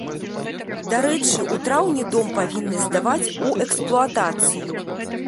Дарэчы, у траўні дом павінны здаваць у эксплуатацыю.